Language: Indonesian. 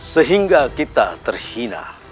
sehingga kita terhina